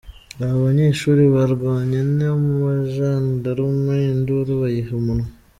Aba banyeshuri barwanye n’ abajandarume induru bayiha umunwa.